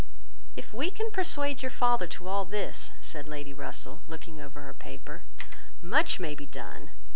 "If we can persuade your father to all this," said Lady Russell, looking over her paper, "much may be done.